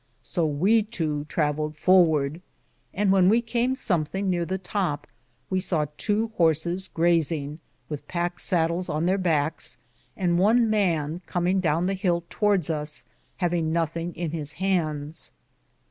So we tow traveled forwarde, and when we cam somthinge neare the topp, we saw tow horsis grasinge, with packe sadls on ther backes, and one man cominge downe the hill towardes us, having nothinge in his handes.